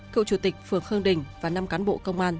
cựu chủ tịch phường khương đình và năm cán bộ công an